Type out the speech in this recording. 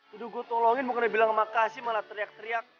udah gue tolongin mau kena bilang makasih malah teriak teriak